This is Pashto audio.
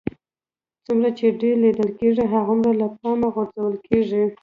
څومره چې ډېر لیدل کېږئ هغومره له پامه غورځول کېږئ